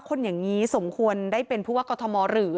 คนอย่างนี้สมควรได้เป็นผู้ว่ากอทมหรือ